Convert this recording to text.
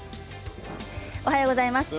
おはようございます。